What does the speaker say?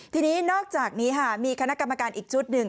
ทีนี้นอกจากนี้ค่ะมีคณะกรรมการอีกชุดหนึ่ง